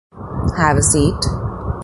Have a seat.